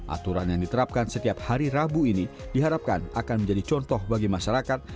aturan yang diterapkan setiap hari rabu ini diharapkan akan menjadi contoh bagi masyarakat